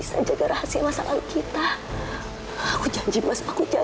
saya baru datang ke sana